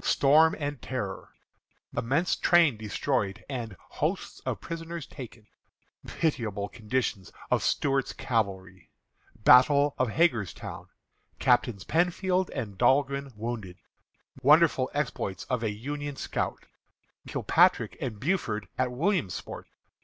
Storm and Terror. Immense Train Destroyed, and Hosts of Prisoners Taken. Pitiable Condition of Stuart's Cavalry. Battle of Hagerstown. Captains Penfield and Dahlgren Wounded. Wonderful Exploits of a Union Scout. Kilpatrick and Buford at Williamsport.